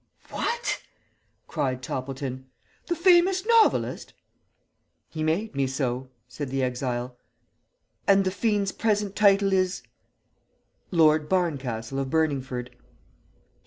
"What!" cried Toppleton, "the famous novelist?" "He made me so," said the exile. "And the fiend's present title is?" "Lord Barncastle of Burningford."